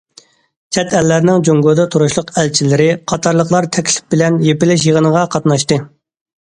چەت ئەللەرنىڭ جۇڭگودا تۇرۇشلۇق ئەلچىلىرى قاتارلىقلار تەكلىپ بىلەن يېپىلىش يىغىنىغا قاتناشتى.